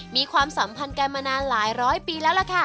มีความสัมพันธ์กลายมานานหลายร้อยปีแล้ว